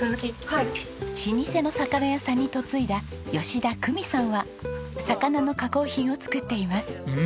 老舗の魚屋さんに嫁いだ吉田久美さんは魚の加工品を作っています。